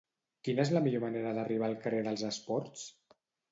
Quina és la millor manera d'arribar al carrer dels Esports?